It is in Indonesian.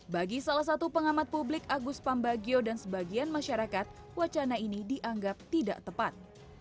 bagi salah satu pengamat publik agus pambagio dan sebagian masyarakat wacana ini dianggap tidak tepat